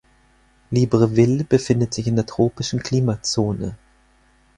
Libreville befindet sich in der tropischen Klimazone.